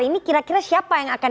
ini kira kira siapa yang akan